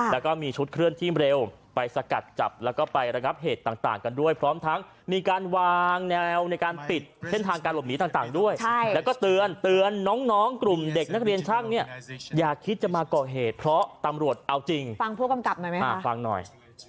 แล้วก็มีชุดเคลื่อนที่เร็วไปสกัดจับแล้วก็ไประงับเหตุต่างกันด้วยพร้อมทั้งมีการวางแนวในการปิดเส้นทางการหลบหนีต่างด้วยแล้วก็เตือนเตือนน้องกลุ่มเด็กนักเรียนช่างเนี่ยอย่าคิดจะมาก่อเหตุเพราะตำรวจเอาจริงฟังผู้กำกับหน่อยไหมครับฟังหน่อย